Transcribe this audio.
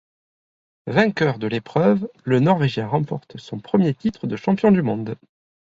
Vainqueur de l'épreuve, le Norvégien remporte son premier titre de champion du monde.